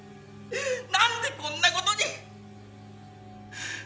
何でこんなことに。